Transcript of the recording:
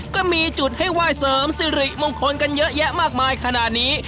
ก็มีจุดให้ไหว้เสริมสิริมงคลกันเยอะแยะมากมายขนาดนี้